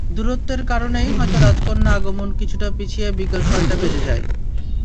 দূরত্বের কারণেই হয়তো রাজকন্যা আগমন কিছুটা পিছিয়ে বিকেল ছয়টা বেজে যায়।